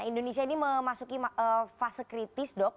indonesia ini memasuki fase kritis dok